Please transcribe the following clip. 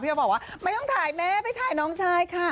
ก็บอกว่าไม่ต้องถ่ายแม่ไปถ่ายน้องชายค่ะ